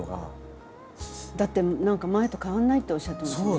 だって何か前と変わんないっておっしゃってましたよね。